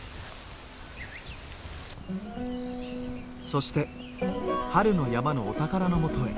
そして春の山のお宝のもとへ。